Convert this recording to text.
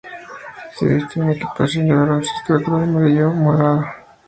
Se viste con una equipación de baloncesto de color amarillo y morado.